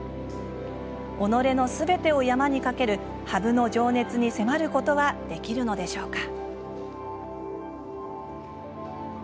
己のすべてを山に懸ける羽生の情熱に迫ることはできるのでしょうか？